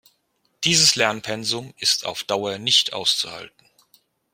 Dieses Lernpensum ist auf Dauer nicht auszuhalten.